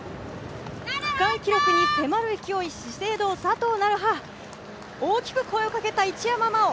区間記録に迫る勢い、資生堂・佐藤成葉、大きく声をかけた一山麻緒。